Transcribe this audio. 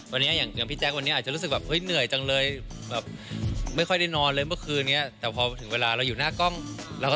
วันนี้อย่างพี่แจ๊ควันนี้อาจจะรู้สึกเห้ยเหนื่อยจังเลย